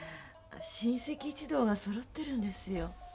親戚一同がそろってるんですよ。